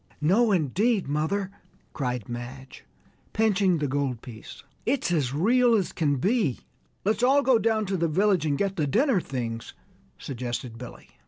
"No, indeed, mother!" cried Madge, pinching the gold piece, "it's as real as can be!" "Let's all go down to the village and get the dinner things," suggested Billy.